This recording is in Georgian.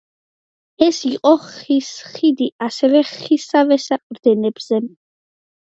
ეს იყო ხის ხიდი, ასევე ხისავე საყრდენებზე.